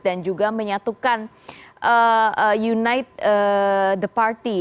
dan juga menyatukan unite the party